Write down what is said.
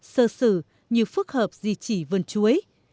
sơ sử như phức hợp di chỉ vườn chuối